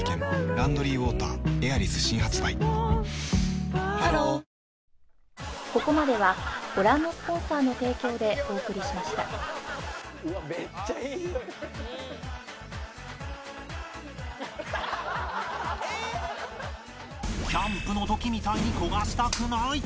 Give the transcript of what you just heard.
「ランドリーウォーターエアリス」新発売ハローキャンプの時みたいに焦がしたくない！